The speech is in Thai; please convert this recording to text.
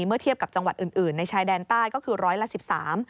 เมื่อเทียบกับจังหวัดอื่นในชายแดนใต้ก็คือร้อยละ๑๓